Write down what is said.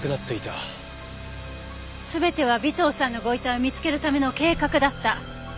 全ては尾藤さんのご遺体を見つけるための計画だった。